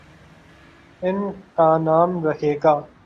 ان کانام رہے گا۔